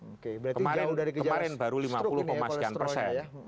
oke berarti jauh dari gejala stroke ini ya kemarin baru lima puluh pemasukan persen